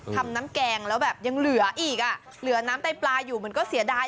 ทำน้ำแกงแล้วแบบยังเหลืออีกอ่ะเหลือน้ำไตปลาอยู่มันก็เสียดาย